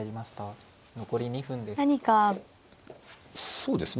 そうですね